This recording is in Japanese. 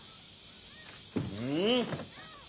うん？